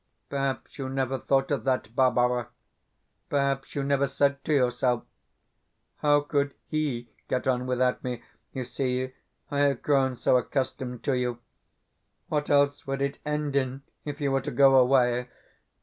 Perhaps you never thought of that, Barbara perhaps you never said to yourself, "How could HE get on without me?" You see, I have grown so accustomed to you. What else would it end in, if you were to go away?